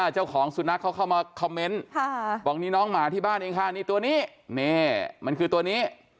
เจ้าของสุนัขเขาเข้ามาคอมเมนต์บอกนี่น้องหมาที่บ้านเองค่ะนี่ตัวนี้นี่มันคือตัวนี้